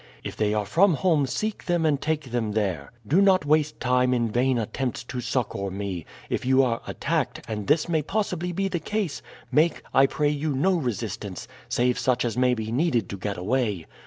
If they are from home seek them and take them there. Do not waste time in vain attempts to succor me. If you are attacked, and this may possibly be the case, make, I pray you, no resistance save such as may be needed to get away.